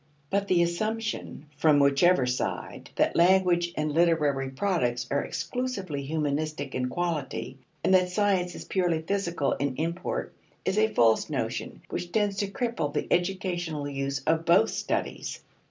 But the assumption, from whichever side, that language and literary products are exclusively humanistic in quality, and that science is purely physical in import, is a false notion which tends to cripple the educational use of both studies.